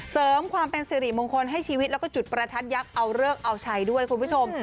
เสริมความเป็นสิริมงคลให้ชีวิตแล้วก็จุดประทัดยักษ์เอาเลิกเอาชัยด้วยคุณผู้ชม